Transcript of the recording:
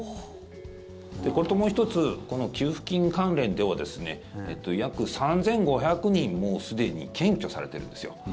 もう１つ、この給付金関連では約３５００人もうすでに検挙されているんですよ。